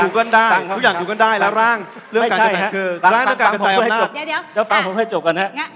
ขอถามผมให้จบกัน